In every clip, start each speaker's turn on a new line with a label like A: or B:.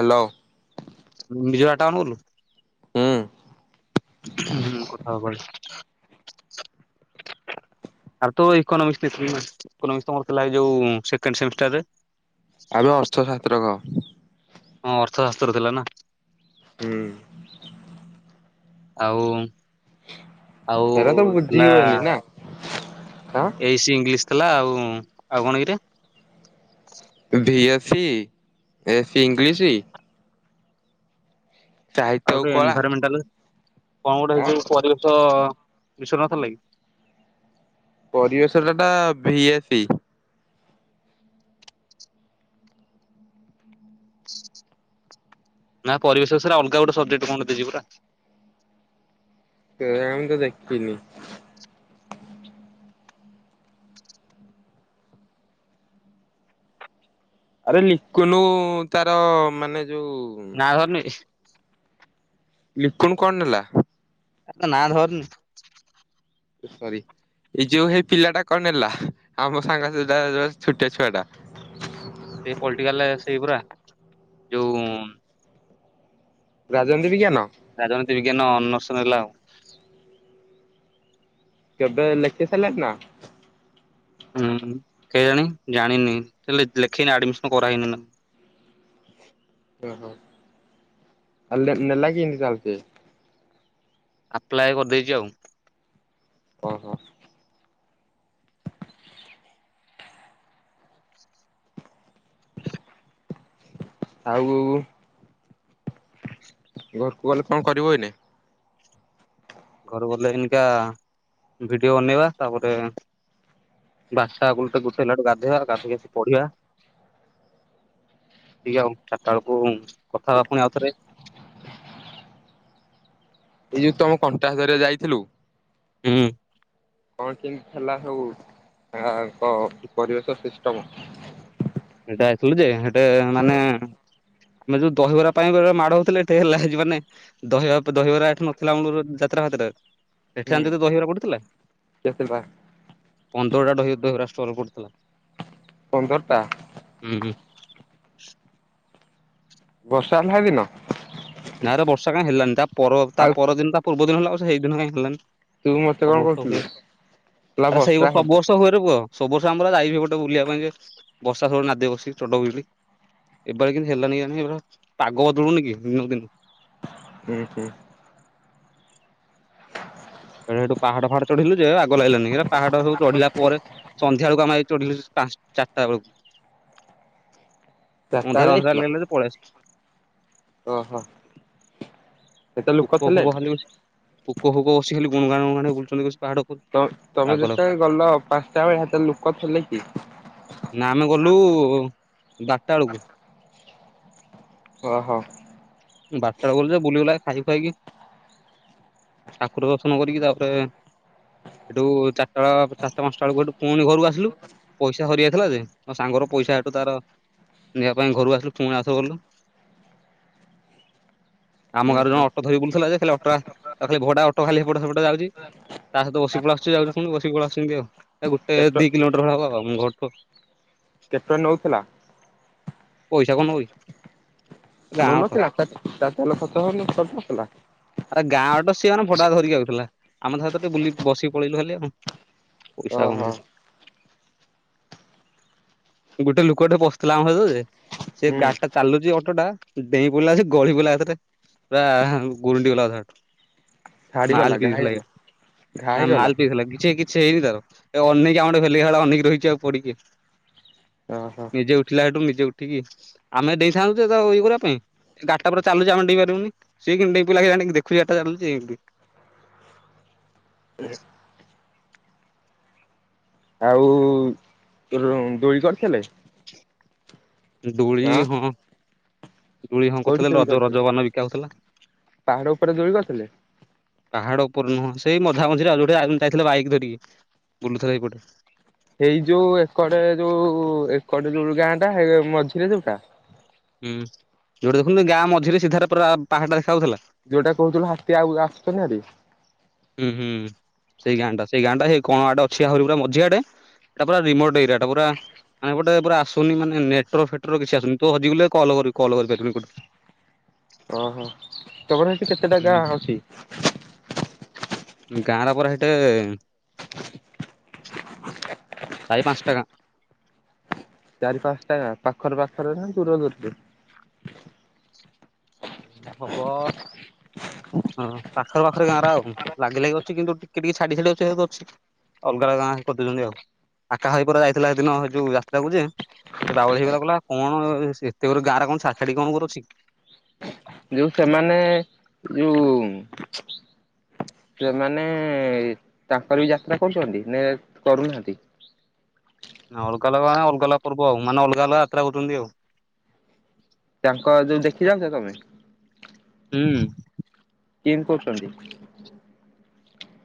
A: Hello.
B: [unintelligible]
A: ହୁଁ।
B: ହୁଁ କଥା ହବନି। ଆରେ ତୁ ଇକୋନୋମିକ୍ସ [unintelligible] ଇକୋନୋମିକ୍ସ ତ ମୋର ଥିଲା ଏଇ ଯୋଉ ଉଁ, ସେକେଣ୍ଡ ସେମିଷ୍ଟା ରେ।
A: ଆବେ ଅର୍ଥଶାସ୍ତ୍ରକ।
B: ହଁ ଅର୍ଥଶାସ୍ତ୍ର ଥିଲା ନା।
A: ହୁଁ।
B: ଆଉ ଆଉ
A: ହେରା ତ ବୁଝି
B: ଥିଲା
A: ହୁଏନି ନା ଆଁ।
B: ଏଇ ସି ଇଂଲିଶି ଥିଲା। ଆଉ ଆଉ କଣ ଏଇଟା
A: ଭି ଏସ୍ ସି, ଏସ୍ ସି ଇଂଲିଶି।
B: ଆଉ
A: ଓ
B: ଗୋଟେ
A: କଳା।
B: ଏନଭାରମେଣ୍ଟାଲ କଣ ଗୋଟେ ହେଇ
A: ଆଁ।
B: ଯୋଉ ପରିବେଶ। ବିଶ୍ୱନାଥ ହେଲାକି।
A: ପରିବେଶ ଟା ଟା ଭିଏସି।
B: ନା ପରିବେଶ ସାରା ଅଲଗା ଗୋଟେ ସବଜେକ୍ଟ କଣ ଦେଇଚି ପରା।
A: କେଇଆଣ ତ ମୁଁ ଦେଖିନି। ଆରେ ଲିକୁନୁ ତାର ମାନେ ଯୋଉ
B: ନାଁ ଧରୁନି ଇହି
A: ଲିକୁନ କଣ ନେଲା?
B: ଏ ତା ନାଁ ଧରନି।
A: ଏ ସରି। ଏଇ ଯୋଉ ହେ ପିଲାଟା କଣ ନେଲା। ଆମ ସାଙ୍ଗସ ସେ ଯା ଯୋଉ ଛୋଟିଆ ଛୁଆ ଟା।
B: ସେ ପଲଟିକାଲ ସେଇ ପରା ଯୋଉ
A: ରାଜନୀତି ବିଜ୍ଞାନ?
B: ରାଜନୀତି ବିଜ୍ଞାନ ଅନର୍ସ ନେଲା ଆଉ।
A: କେବେ ଲେଖି ସାରିଲା ନା?
B: ହୁଁ କେଜାଣି ଜାଣିନି ସେ ଲେ ଲେଖି ଆଡମିସନ୍ କରାହେଇନି। [unintelligible]
A: ଓହୋ! ଆ ଲେନ ନେଲା କେମତି ତାହଲ ସେ?
B: ଆପ୍ଲାଏ କରିଦେଇଚି ଆଉ।
A: ଓ ହୋ। ଆଗକୁ ଘରକୁ ଗଲେ କଣ କରିବ ଏଇନେ?
B: ଘରେ ବଲେନକା ଭିଡିଓ ବନେଇବା ତାପରେ। ବାସାଗ ତ ଗୋଟେ ହେଲା ବେ ଗାଧେଇବା ଗାଧେଇ ଆସି ପଢିବା। ଠିକ ଆଉ ଚାରିଟା ବେଳକୁ କଥା ହେବା ପୁଣି ଆଉ ଥରେ।
A: ଏଇ ଯୋଉ ତମେ କଣ୍ଟା ଧରିଆ ଯାଇଥିଲୁ।
B: ହୁଁ।
A: କଣ କେମତି ହେଲା ହଉ, ତାଙ୍କ ପରିବେଶ ସିଷ୍ଟମ।
B: ଥିଲ ଯେ, ସେଟା ମାନେ ଆମେ ଯୋଉ ଦହିବରା ପାଇଁ ମାଡ ହଉଥିଲେ ଟିକେ ହେଲା। ମାନେ ଦହିବା ଦହିବରା ଏଠି ନଥିଲା ମଳ ଯାତ୍ରା ଯାତ୍ରାରେ ଏଠି ଆମ
A: ହୁଁ
B: ଯଦି ଦହିବରା ପଡୁଥିଲା
A: କେତେଟା
B: ।ପନ୍ଦରଟା ଦହି ବହରା ଷ୍ଟଲ ପୁଡ଼ିଥିଲା।
A: ପନ୍ଦର ଟା।
B: ହୁଁ ହୁ।
A: ବର୍ଷା ହେଲା ହେଦିନ?
B: ନାଁରେ ବର୍ଷା କାହିଁ ହେଲାନି ।ତା ପର ତା
A: ଆଉ ତୁ
B: ପରଦିନ, ତା ପୂର୍ବ ଦିନ ହେଲା। ସେଇ ଦିନ କାଇଁ ହେଲାନି।
A: ମତେ
B: ସବୁ
A: କଣ
B: ବର୍ଷ
A: କହୁଥିଲୁ
B: ହୁଏ
A: କହିଲା
B: ।ଆରେ ସେଇ,
A: ବର୍ଷା
B: ସବୁ
A: ହବ
B: ବର୍ଷ ହୁଏ ରେ ପୁଅ। ସବୁ ବର୍ଷ ଆମର ଯାଇବ ଗୋଟେ ବୁଲିବା ପାଇଁ ଯେ, ବର୍ଷା ସବୁ ନାଦି ବସିିକ ଚଢଉ ବୋଲି ଏବୋର କିନ୍ତୁ ହେଲାନି ଜଣ ଏାର, ପାଗ ବଦଳୁନି କି ଦିନ ଦିନ।
A: ହୁଁ ହୁଁ।
B: ଏଟ ସେଠୁ ପାହାଡ ଫାହାଡ ଚଢିଲୁ ଯେ ବାଗ ଲାଗିଲାାନି । ସେଟା ପାହାଡ ସବୁ ଚଢିଲ ପରେ ସନ୍ଧ୍ୟାବଳକୁ ଆମେ ଚଢ଼ିବ ସେ ପାଞ୍ଚ ଚାରିଟା ବେଳକୁ ।
A: ଚାରିଟା ବେଳେ
B: ଅନ୍ଧାର ଅନ୍ଧାର
A: ଯାଇଥିଲ
B: ଲାଗଲେ ତ ପଳେଇ
A: ଓହୋ, ଏତେ ଲୋକ
B: ପୋକ
A: ଥିଲେ।
B: ଫୋକ ଖାଲି ବସି ପୋକ ଫୋକ ବସି ଖାଲି ଗୁଣଗାଣୁ ଗଣ ବୁଛନ୍ତି ।
A: ତ ତମେ ଯେତେବେଳେ ଗଲ ପାଞ୍ଚଟା ବେଳେ, ହେତେବେଲେ ଲୋକ ଥିଲେ କି?
B: ନା, ଆମେ ଗଲୁ ବାରଟା ବେଳକୁ।
A: ଓହୋ।
B: ବାରଟା ବେଳେ ଗଲୁଯେ, ବୁଲିବୁଲାକି ଖାଇ ଖୁଏଇ କି ଠାକୁର ଦର୍ଶନ କରିକି, ତାପରେ ସେଠୁ ଚାରିଟା ବଳ ଚାରିଟା ପାଞ୍ଚଟା ବେଳକୁ ଏଠୁ ପୁଣି ଗଲୁ ଆସିଲୁ। ପଇସା ହରି ଯାଇଥିଲା ଯେ, ଆ ସାଙ୍ଗର ପଇସା ଏଠୁ ତାର ନେବା ପାଇଁ ଘରୁ ଆସିଲୁ ।ପୁଣି ଆସିଲୁ ଗଲୁ।
A: ଉଁ
B: ଆମ ଗାଁରୁ ଜଣେ
A: ହୁଁ।
B: ଅଟୋ ଧର ବୁଥିଲା ଯେ, ଖାଲି ଅଟୋ ଖଲି ଭଡା ଅଟୋ ଖାଲି ଏପଟେ ସେପଟେ ଯାଉଚି। ତା ସହିତ ବସିକ ପଳ ଆସୁଚି, ଯାଉଚି ପୁଣି ବସିକ ପଳ ଆସୁଚି ଆଉ, ଏ ଗୋଟେ
A: କେଟ
B: ଦି କିଲୋମିଟର ହେବ ଆମ ଘରଠୁ [inaudible]
A: କେପଟନ ନଉଥିଲା।
B: ପଇସା କଣ ନବକି
A: ନଉ ନଥିଲା। ତା ଖଚ ତେଲ ଖର୍ଚ୍ଚ ହଉନଥିଲା [unintelligible]
B: ଆରେ ଗାଁ ଟ ସିଏ, ମାନେ ଭଡା ଧରିକି ଯାଉଥିଲା। ଆମ ହତ ଟିକେ ବୁଲି ବସିକି ପଳେଇଲୁ ଖାଲି ଆଉ । ପଇସା
A: ଓହୋ
B: କନୁ ଗୋଟେ ଲୋକଠେ ପଶଥିଲା ଆମ ସତ ଯେ ସେ
A: ହୁଁ
B: ଗାଡି ଟା ଚାଲୁଚି ଅଟୋଟା, ଡେଇଁ ପଡ଼ିଲା ଯେ ଗଳି ପଡ଼ିଲା ।ସେଥିରେ ପୁରା ଗୁରୁଣ୍ଡି ଗଲା ଅଧା ବାଟରୁ।
A: ଛାଡିଗଲା
B: ମାଲ
A: ଘା
B: ପିଇଥିଲା
A: ହେଇଗଲା। ଘା
B: ନା
A: ହେଇଗଲା
B: ମାଲ ପିଇଥିଲା କିଛି କିଛି ଛି ହେଇନି ତାର, ଏ ଅନେଇକ ଆମର ଭିଲଇ ଭଳିଆ ଅନେଇ କି ରହିଛି ଆଉ ପରିକି
A: ଓ ହୋ।
B: ନିଜେ ଉଠିଲା ସେଠୁ ନିଜେ ଉଠିକି, ଆମେ ଦେଇଥାନ୍ତୁ ତ ଇଏ କରିବା ପାଇଁ, ଗାରଟା ପରେ ଚାଲୁଛି ଆମେ ଦେଇପାରିବୁନି। ସେ କିନ୍ତୁ ଡେଇଁ ପ [unintelligible] ଜାଣ ଦେଖୁଛି ଏଟା ଜାଣିଲୁ ଏମିତି
A: ଆଉ ଦୋଳି କରିଥିଲେ?
B: ଦୋଳି ହଁ। ଜୁଳି ହଁ
A: କୋଉଠି
B: କରଥିଲେ
A: ଦୋଳି
B: ରଜ
A: କରିଥିଲେ
B: ରଜପାନ ବିକା ହଉଥିଲା।
A: ପାହାଡ ଉପରେ ଦୋଳି କରିଥିଲେ
B: [inaudible] ପାହାଡ ଉପରେ ନୁହଁ ।ସେଇ ମଝା ମଝିରେ ଆଉ ।ଯାଇଥିଲା ବାଇ ଧରିକି ।ବୁଲୁଥିଲା ସେଇପଟେ।
A: ଏଇ ଯୋଉ ଏକଡ ଯୋଉ ଏକଡ ଯୋଉ ଗାଁ ଟା ମଝିରେ ଯୋଉଟା।
B: ହୁଁ। ଯୋଉଟି ଦେଖୁନୁ ଗାଁ ମଝିରେ ସିଧାରେ ପାହାଟା ଦେଖା ଯାଉଥିଲା।
A: ଯୋଉଟା କହୁଥିଲୁ ହାତୀ ଆଉ ଆସୁନିହାରୀ
B: ହୁଁ ହୁଁ ସେଇ ଗାଁ ଟା ସେଇ ଗାଁଟାଇ କଣ ଆଡେ ଅଛି ଆହୁରି ପୁରା ମଝିଆଡେ। [unintelligible] କଲ କରିପାରିବନି।
A: ଓହୋ ତମର ହେଇଛି କେତେଟା ଗାଁ ହଉଛି। [inaudible]
B: ଗାଁ ରପରା ହେଟ [inaudible] ଶହେ ପାଞ୍ଚ ଟା ଗାଁ। [inaudible]
A: ଚାରି ପାଞ୍ଚ ଟାଙ୍କା ପାଖରେ ପାଖରେ ନା ଦୂର ରେ?
B: ହବ ହଁ ପାଖରେ ପାଖରେ ଗାଁରେ ଆଉ ଲାଗି ଲାଗି ଅଛି କିନ୍ତୁ ଟିକେ ଟିକେ ଛାଡି ଛାଡି ଅୁ ଅଛି। ଅଲଗା ଅ ଗାଁ କରିଦୁଛନ୍ତି ଆଉ ଆକା ହୋଇ ପରା ଯାଇଥିଲା ସେ ଦିନ ସେଇ ଯୋଉ ଯାତ୍ରା କୁ ଯେ ସେ ବାଉଳି ହେଇଗ କଲା କଣ ଏତେ ଗୁରେ ଗାଁରେ କଣ ଶଖୀ କଣ କରୁଛି।
A: ଯୋଉ ସେମାନେ ଯୋଉ [inaudible] ସେମାନେ ତାଙ୍କର ବି ଯାତ୍ରା କରୁଛନ୍ତି ନ କରୁନାହାନ୍ତି।
B: ନ ଅଲଗା ଲ କ ଅଲଗା ଲ ପର୍ବ ଆଉ ମାନେ ଅଲଗା ଲାତ୍ରା ହଉଛନ୍ତି ଆଉ। [inaudible]
A: ତାଙ୍କ ଯୋଉ ଦେଖି ଯାଉଛ ତମେ।
B: ହୁଁ।
A: କେମିତି କରୁଛନ୍ତି।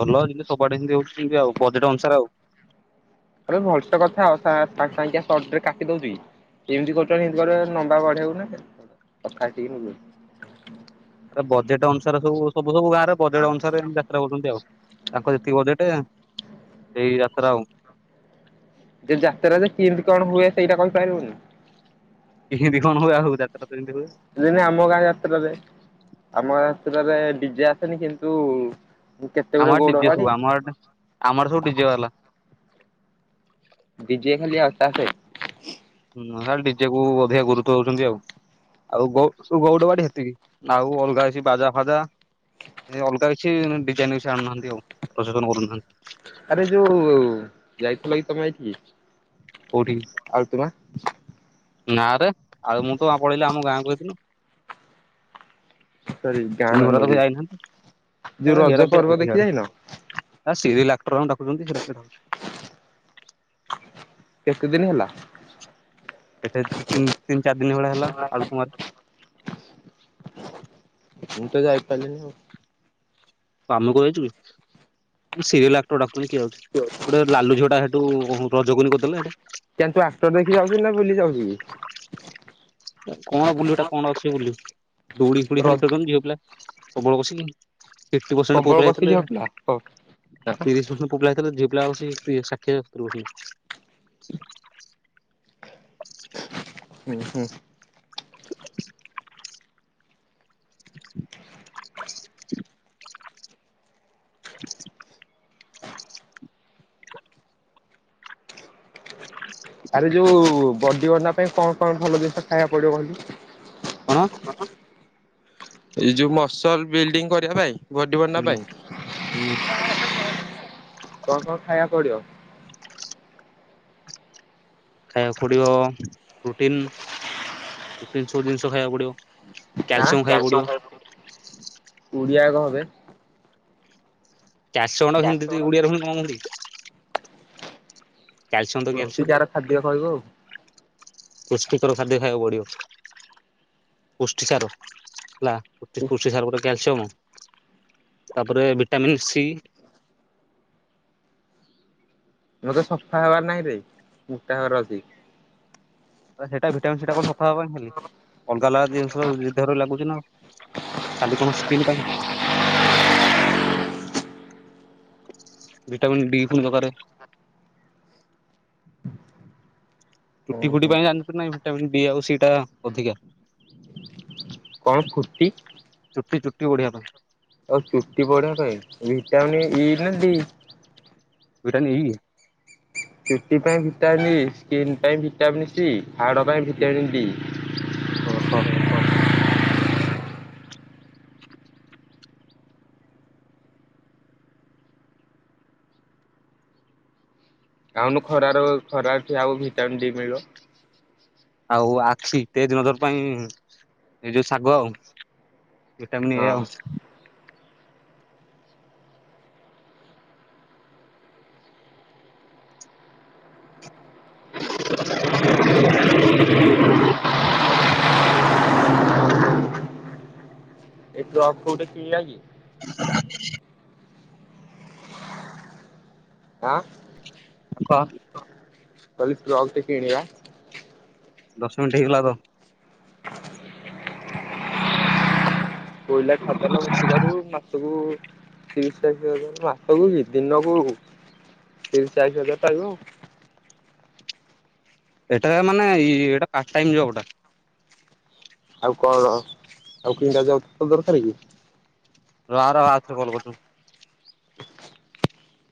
B: ଭଲ ଯେମିତି ସଡମିତି ହଉଛିମତି ଆଉ ବଜେଟ ଅନୁସାରେ ଆଉ।
A: ଆ ଭଲସ କଥା ଆ ସା ସା କାଟି ଦଉଛିି କି। ଏମିତି କରୁ ସେଇପ ଲମ୍ବା ବଢଉନ ନବଢେଇକି
B: ବଜେଟ୍ ଅନୁସାରେ ସବୁ ସବୁ ସବୁ ଗାଁରେ ବଜେଟ ଅନୁସାରେ ଯାତ୍ରା କରୁଛନ୍ତି। ଆଉ ତାଙ୍କ ଯେତିକି ବଜେଟ ଏଇ ଯାତ୍ରା ଆଉ
A: ଯେ ଯାତରେ ଯେ କେମତି କଣ ହୁଏ ସେଇଟା କହିପାରିବୁନି।
B: କେମିତି କଣ ହୁଏ ଆଉ ଯାତ୍ରା ତ ଏମିତି ହୁଏ
A: [inaudible] ଜେମିତି ଆମ ଗାଁ ଯାତ୍ରାରେ ଆମ ଗାଁ ସେଠାରେ ଡିଜେ ଆସନି କିନ୍ତୁ କେତେ ଗୁରେ
B: ଆମର
A: ଗୌଡ
B: ଡିଜେ
A: ଗାଡି
B: ସବୁ ଆମର ଆମର ସବୁ ଡିଜେ ବାଲା।
A: ଡିଜେ ଖାଲି ଆଉ ଚାସେ
B: ହ ନିଡିଜେ କୁ ଅଧିକା ଗୁରୁତ୍ଵ ଦଉଛନ୍ତି ଆଉ। ଆଉ ଗଉ ଗଉଡ ବାଡି ହେତିକି ଆଉ ଅଲଗା ହେଛି ବାଜା ଫାଜା ସେ ଅଲଗା କିଛି ଡିଜାଇନ ବି ଆଣୁନାହାନ୍ତି ଆଉ ପ୍ରସନ କରୁନାହାନ୍ତି।
A: ଆରେ ଯୋଉ ଯାଇଥିଲ କି ତମେ ଏଇଠି ଆଉ ତୁମେ
B: ନାଁ ରେ ଆଉ ମୁଁ ତ ପଳେଇଲିି ଆମ ଗାଁ କ ହେଇଦିନ [inaudible]
A: ସରି ଗାଁ
B: ଚିନି
A: ନାଁ
B: ଭଡା ତ ବି
A: ନଉଚି
B: ଯାଇନାହାନ୍ତି।
A: ଯୋଉ ରଜ
B: ହେରା କିଏ
A: ପର୍ବ
B: ଯାଉଛି
A: ଦେଖି ଯାଇନ
B: ସିଆଡେ ରିଲା ଡାଛନ୍ତି ସେଟା [inaudible]
A: କେତେ ଦିନ ହେଲା।
B: ଏଠି ଦତିନ ତିନି ଚାରି ଦିନ ଭଳିଆ ହେଲା ଆଳୁ ତୁମାର
A: ମୁଁ ତ ଯାଇପାଇଲିନି ଆଉ
B: କାମେ କଛୁ କି ସିରିଏଲକ୍ଟରଡା କିଏଛି ଗୋଟେ ଲାଲୁ ଝିଅ ଟା କୁ ରଜ କୀନ କରିଦେଲେ ଏଇଟା।
A: କ ତୁ ଆଷ୍ଟର ଦେଖି ଯାଉଛୁ ନା ବୁଲି ଯାଉଛୁ?
B: କଣ ବୁଲୁ ଏଟା କଣ ଅଛି ବୁଲୁ ଡୋଡି ଫୁଡି
A: ର
B: ଖାଲି ଖେଳୁଛନ୍ତି ଝିଅ ପିଲା ପ୍ରବଳ ବସ ଫିଫ୍ଟୀ ପରସେଣ୍ଟ ପୋଅ
A: ପ୍ରବଳ
B: ପଥିଲେ
A: କଷିକି ହଗିଲା ହଁ। ହୁଁ
B: ତିରିଶ ପରସେଣ୍ଟ ପୁଅ ପିଲା ହେଇଥିଲେ ପିଲ ଅଛି ସାକ୍ଷୀତ୍ରଛି [inaudible]
A: ହୁଁ
B: [unintelligible]
A: ଆରେ ଯୋଉ ବଡିଗା ପାଇଁ କଣ କଣ ଭଲ ଜିନିଷ ଖାଇବାକୁ ପଡିବ କହିଲି
B: କଣ
A: ଏଇ ଯୋଉ ମସଲ ବିଲ୍ଡିଂ କରିବା ପାଇଁ ବଡି ବନା
B: ହୁଁ
A: ପାଇଁ
B: ହୁଁ
A: କଣ କଣ ଖାଇବା ପଡିବ
B: ଖାଇବାକୁ ପଡିବ ପ୍ରୋଟିନ ପ୍ରୋଟିନ ସବୁ ଜିନିଷ ଖାଇବାକୁ ପଡିବ
A: ହା
B: କ୍ୟାଲସିୟମ
A: କାଲସିଅମ
B: ପଡିବ
A: ଖାଇବାକୁ ପଡ଼ିବ ଓଡ଼ିଆ କହ ବେ
B: କ୍ୟାଲସିୟମ ଟାକୁ ସେମିତି ଯଦି ଓଡ଼ିଆରେ କଣ କହନ୍ତି କ୍ୟାଲସିୟମ
A: ପୃଷ୍ଟି ସାର ଖାଦ୍ୟ କହିବୁ ଆଉ
B: ପୁଷ୍ଟପିକର ଖାଦ୍ୟ ଖାଇବାକୁ ପଡିବ ପୁଷ୍ଟି ସାର ହେଲା ପତିଶ [unintelligible] ପୁଷ୍ଟି ସାର ପରେ କଲସୟମ ତା ପର ଭିଟାମିନ ସି
A: ନ ତ [unintelligible] ସଫା ହବାର ନାହିଁରେ ମୋଟା ହେବାର ଅଛିି
B: ସେଇଟା ଭିଟାମନ୍ ସି ସେଟା କଣ ସଫା ହବନା ଖାଲି ଅଲଗା ଅଲଗା ଜିନିଷ ଦେହରେ ଲାଗୁଛି ନା କାଲି କଣ [inaudible] ଭିଟାମିନ ଡି ପୁଣି ଦକାରାନରେ ଚୁଟି
A: ହୁଁ
B: ପଡ଼ିବ
A: ହୁଁ।
B: ପାଇଁ ଜାଣିଛୁ ନା‌ ଭିଟାମିନ ଡି ଆଉ ସି ଟା ଅଧିକା
A: କଣ ପୂର୍ତ୍ତି
B: ଚୁଟି ବଢିବା ପାଇଁ
A: ଆଉ ଚୁଟି ପଡିବା ପାଇଁ ଭଟାମିନ ଇ ନା ଡି
B: ଭିଟାମିନ ଇ
A: ସେଥି ପାଇଁ ଭିଟାମିନ୍ ଇ, ସ୍କିନ ପାଇଁ ଭିଟାମିନ୍ ସି ହାଡ଼ ପାଇଁ ଭିଟାମିନ ଡି
B: ଓହୋ
A: ଯାଉନୁ ଖରାର ଖରାରେ ଠିଆ ହେବୁ, ଭିଟାମିନ ଡି ମିଳିବ
B: ହଉ ଆଖି ତେଜ୍ ନଜର ପାଇଁ ଏଇ ଯୋଉ ଶାଗ ଆଉ ଭଟାମିିନ ଏ
A: ହଁ।
B: ଆଉ
A: ଏୁ ଆ ଖୋଉଟେ କିଳି ଯଏ [unintelligible] ଆ
B: ଶାଗ
A: କହିଲି ଟ୍ରକ ଗୋଟେ କିଣିବା
B: ଦଶ ମିନିଟ୍ ହେଇଗଲା ତ
A: କୋଇଲା ଖାଦାନ ଭର୍ତ୍ତି କରିବୁ ମାସକୁ ତିରିଶ ତାରିଖ ମାସକୁ କି ଦିନକୁ ତିରିଶ ଚାଳିଶ ହଜାର ପାଇବୁ ଆଉ
B: ଏଇଟା ମାନେ ଇ-ଏଟା ପାର୍ଟ ଟାଇମ ଯବ ଟା
A: ଆଉ କଣ ଆଉ କେମିତିକା ଯବ ତୁର ଦରକାର କି‌‌
B: ର ଆର-ଆର ଥରେ କଲ କରୁଛି